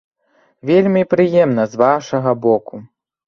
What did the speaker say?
Вельмі прыемна з вашага боку!